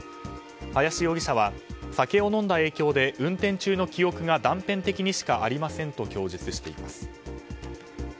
林容疑者は酒を飲んだ影響で運転中の記憶が断片的にしかありませんと供述しています。